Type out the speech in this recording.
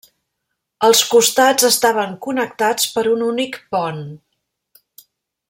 Els costats estaven connectats per un únic pont.